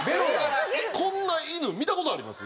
こんな犬見た事あります？